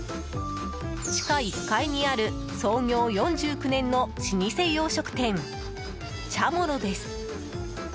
地下１階にある、創業４９年の老舗洋食店チャモロです。